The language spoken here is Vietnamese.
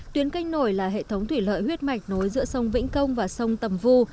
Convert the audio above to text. tuyến canh nổi là hệ thống thủy lợi huyết mạch nối giữa sông vĩnh công và sông tầm vu